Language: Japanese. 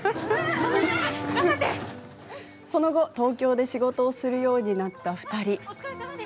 その後、東京で仕事をするようになった２人。